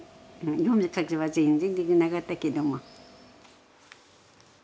読み書きは全然できなかったけども。